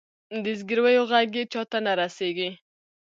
د زګیرویو ږغ یې چاته نه رسیږې